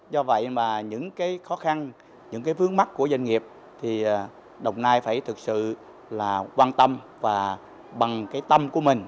do vậy mà những khó khăn những vướng mắt của doanh nghiệp thì đông nai phải thực sự quan tâm và bằng tâm của mình